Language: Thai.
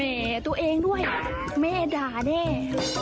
ตัวเองด้วยแม่ด่าแน่